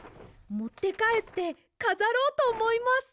もってかえってかざろうとおもいます。